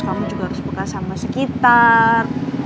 kamu juga harus bekas sama sekitar